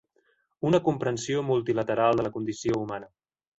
Una comprensió multilateral de la condició humana.